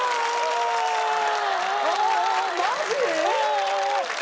マジ！？